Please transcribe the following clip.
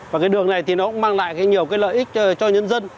và cái đường này thì nó cũng mang lại nhiều cái lợi ích cho nhân dân